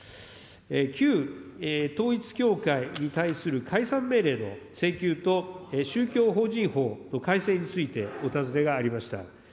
旧統一教会に対する解散命令の請求と宗教法人法の改正についてお尋ねがありました。